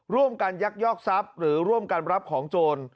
ร่วมกันยักษ์ย่อกทรัพย์หรือร่วมการปรับของโจร